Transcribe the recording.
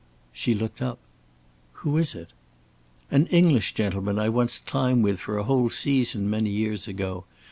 She looked up. "Who is it?" "An English gentleman I once climbed with for a whole season many years ago.